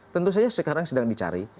tentu saja sekarang sedang dicari